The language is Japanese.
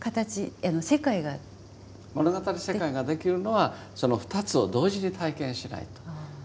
物語世界ができるのはその２つを同時に体験しないと。